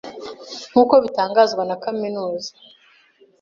Nkuko bitangazwa na Kaminuza